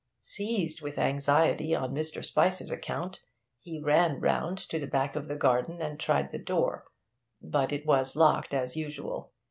Seized with anxiety on Mr. Spicer's account, he ran round to the back of the garden and tried the door; but it was locked as usual.